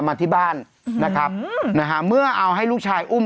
มาที่บ้านนะครับนะฮะเมื่อเอาให้ลูกชายอุ้ม